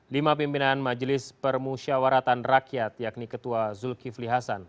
lima pimpinan majelis permusyawaratan rakyat yakni ketua zulkifli hasan